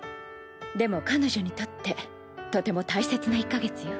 でも彼女にとってとても大切な１か月よ。